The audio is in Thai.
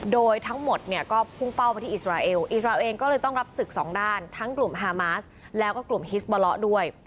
โดยทั้งหมดเนี่ยก็พุ่งเป้าไปที่อิสราเอลอิสราเอก็เลยต้องรับศึกสองด้านทั้งกลุ่มฮามาสแล้วก็กลุ่มฮิสบอละด้วย